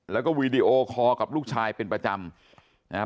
แล้วก็วีดีโอคอร์กับลูกชายเป็นประจำนะครับ